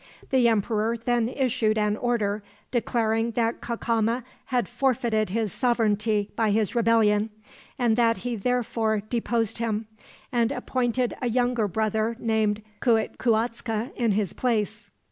The emperor then issued an order, declaring that Cacama had forfeited his sovereignty by his rebellion, and that he therefore deposed him, and appointed a younger brother named Cuicuitzca in his place.